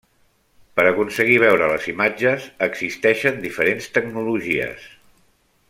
Per aconseguir veure les imatges existeixen diferents tecnologies.